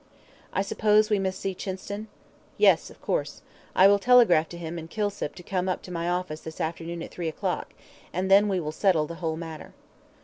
"I suppose we must see Chinston?" "Yes, of course. I will telegraph to him and Kilsip to come up to my office this afternoon at three o'clock, and then we will settle the whole matter."